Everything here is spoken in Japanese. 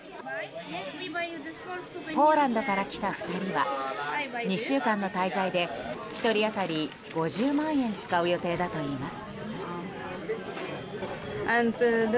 ポーランドから来た２人は２週間の滞在で１人当たり５０万円使う予定だといいます。